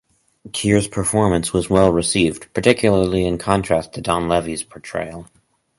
Keir's performance was well-received, particularly in contrast to Donlevy's portrayal.